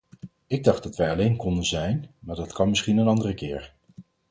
Ik dacht dat wij alleen konden zijn, maar dat kan misschien een andere keer!